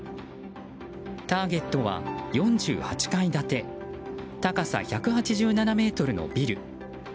ターゲットは４８階建て、高さ１８７ｍのビル。